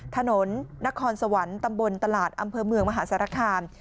ถนนนครสวรรค์ตำบลตลาดอำเภอเมืองมหาสารคาม